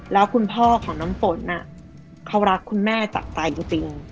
แล้วคุณพ่อของน้ำฝนเขารักคุณแม่จากใจจริง